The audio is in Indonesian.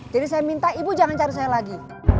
jadi saya minta ibu jangan cari saya lagi